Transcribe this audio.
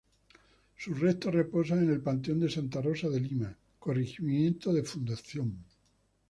Sus restos reposan en el panteón de Santa Rosa de Lima, corregimiento de Fundación.